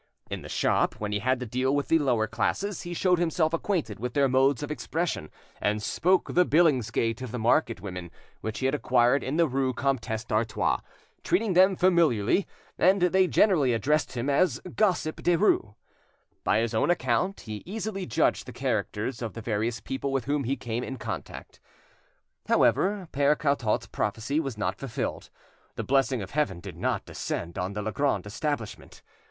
In the shop, when he had to deal with the lower classes, he showed himself acquainted with their modes of expression, and spoke the Billingsgate of the market women, which he had acquired in the rue Comtesse d'Artois, treating them familiarly, and they generally addressed him as "gossip Denies." By his own account he easily judged the characters of the various people with whom he came in contact. However, Pere Cartault's prophecy was not fulfilled: the blessing of Heaven did not descend on the Legrand establishment.